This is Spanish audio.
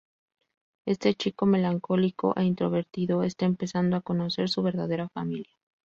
Este chico melancólico e introvertido está empezando a conocer su verdadera familia.